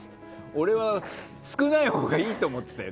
俺は少ないほうがいいと思ってたよ